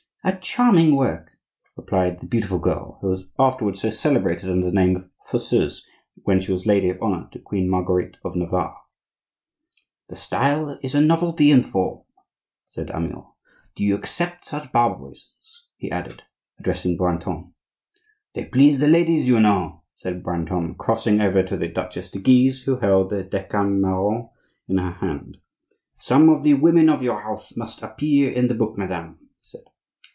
"A charming work," remarked the beautiful girl who was afterwards so celebrated under the name of Fosseuse when she was lady of honor to Queen Marguerite of Navarre. "The style is a novelty in form," said Amyot. "Do you accept such barbarisms?" he added, addressing Brantome. "They please the ladies, you know," said Brantome, crossing over to the Duchesse de Guise, who held the "Decamerone" in her hand. "Some of the women of your house must appear in the book, madame," he said.